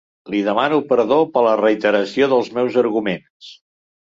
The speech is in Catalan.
Li demano perdó per la reiteració dels meus arguments.